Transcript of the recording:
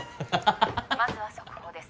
まずは速報です。